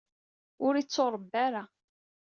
Ur ittuṛebba ara.